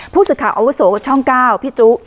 ผู้ศิษฐ์ศิษฐานอวสูรช่อง๙พี่จุ